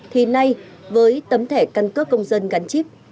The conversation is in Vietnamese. thì nay với tấm thẻ căn cước công dân gắn chip